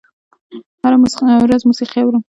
هره ورځ موسیقي اورم